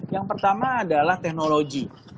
yang pertama adalah teknologi